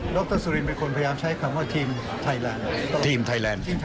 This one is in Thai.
รัฐบาลสุลินเป็นคนพยายามใช้คำว่าทีมไทยแลนด์